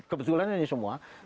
kebetulan ini semua